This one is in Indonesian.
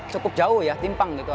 cukup jauh ya timpang gitu